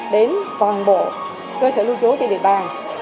đến toàn bộ cơ sở lưu trú trên địa bàn